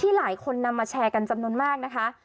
หลายคนนำมาแชร์กันจำนวนมากนะคะ